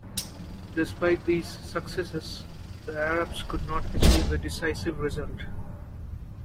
Despite these successes, the Arabs could not achieve a decisive result.